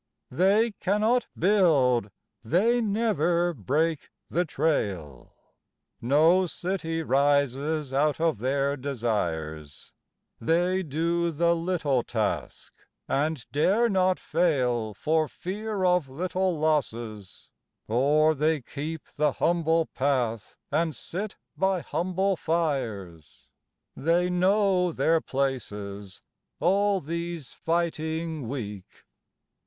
They cannot build, they never break the trail. No city rises out of their desires ; They do the little task, and dare not fail For fear of little losses — or they keep The humble path and sit by humble fires; They know their places — all these fighting Weak!